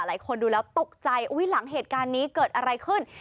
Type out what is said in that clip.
หลายคนดูแล้วตกใจอุ๊ยหลังเหตุการณ์นี้เกิดอะไรขึ้น